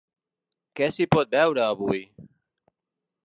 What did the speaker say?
Què s’hi pot veure avui?